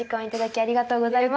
ありがとうございます。